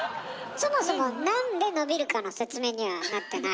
そもそもなんで伸びるかの説明にはなってないからね。